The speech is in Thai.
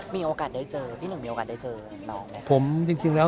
มีโอกาสได้เจอเ฽่งหนึ่งมีโอกาสได้เจอ